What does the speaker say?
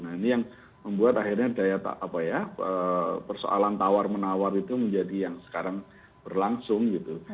nah ini yang membuat akhirnya daya apa ya persoalan tawar menawar itu menjadi yang sekarang berlangsung gitu